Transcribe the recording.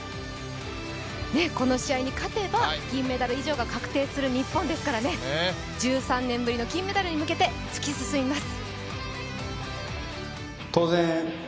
この試合に勝てば銀メダル以上が確定する日本ですから１３年ぶりの金メダルに向けて突き進みます。